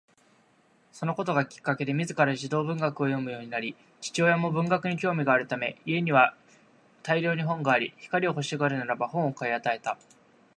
そのことがきっかけで自ら児童文学を読むようになり、父親も文学に興味があるため家には大量に本があり、光が欲しがるならば本を買い与えた